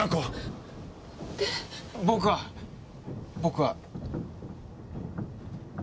僕は僕は。